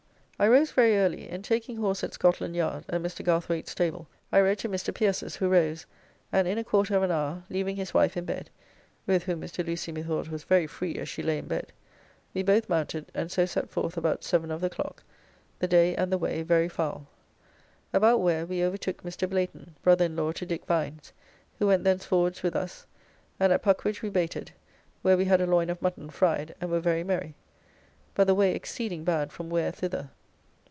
I rose very early, and taking horse at Scotland Yard, at Mr. Garthwayt's stable, I rode to Mr. Pierces, who rose, and in a quarter of an hour, leaving his wife in bed (with whom Mr. Lucy methought was very free as she lay in bed), we both mounted, and so set forth about seven of the clock, the day and the way very foul. About Ware we overtook Mr. Blayton, brother in law to Dick Vines, who went thenceforwards with us, and at Puckeridge we baited, where we had a loin of mutton fried, and were very merry, but the way exceeding bad from Ware thither.